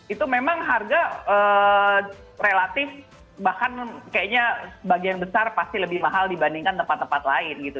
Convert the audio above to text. itu memang harga relatif bahkan kayaknya sebagian besar pasti lebih mahal dibandingkan tempat tempat lain gitu